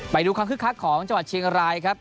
ไปดูความคึกคักของจังหวัดเชียงรายครับ